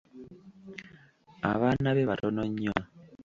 Abaana be batono nnyo.